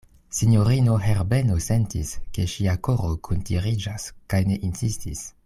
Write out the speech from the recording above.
Sinjorino Herbeno sentis, ke ŝia koro kuntiriĝas, kaj ne insistis.